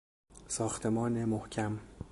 ساختمان محکم